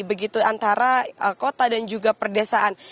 begitu antara kota dan juga perdesaan